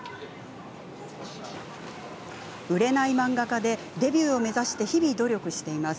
売れない漫画家でデビューを目指して日々努力しています。